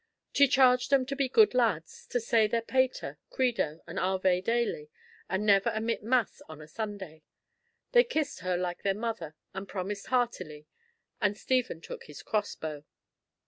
She charged them to be good lads, to say their Pater, Credo, and Ave daily, and never omit Mass on a Sunday. They kissed her like their mother and promised heartily—and Stephen took his crossbow.